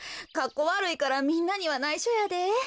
かっこわるいからみんなにはないしょやで。